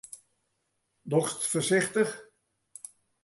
Dochst foarsichtich?